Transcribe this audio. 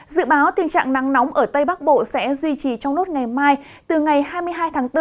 dự báo tình trạng nắng nóng ở tây bắc bộ sẽ duy trì trong nốt ngày mai từ ngày hai mươi hai tháng bốn